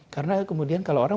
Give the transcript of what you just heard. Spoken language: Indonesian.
karena kemudian kalau orang